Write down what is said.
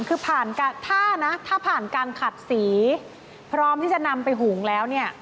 คือถ้าผ่านการขัดสีพร้อมที่จะนำไปหุงแล้ว